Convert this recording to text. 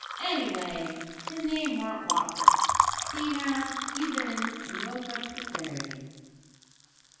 Anyway his name warn't Walker. See now, you've bin an' woke up the fairy."